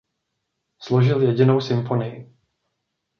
Složil jedinou symfonii.